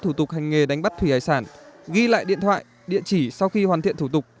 thủ tục hành nghề đánh bắt thủy hải sản ghi lại điện thoại địa chỉ sau khi hoàn thiện thủ tục